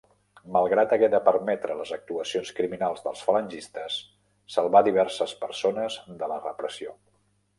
Malgrat hagué de permetre les actuacions criminals dels falangistes, salvà diverses persones de la repressió.